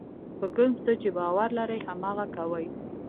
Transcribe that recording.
په کوم څه چې باور لرئ هماغه کوئ.